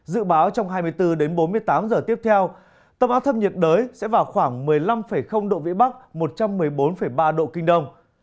dự báo trong hai mươi bốn đến bốn mươi tám giờ tiếp theo tâm áp thấp nhiệt đới sẽ vào khoảng một mươi năm độ vĩ bắc một trăm một mươi bốn ba độ kinh đông